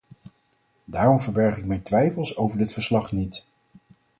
Daarom verberg ik mijn twijfels over dit verslag niet.